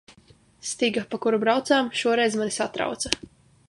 Stiga, pa kuru braucām, šoreiz mani satrauca.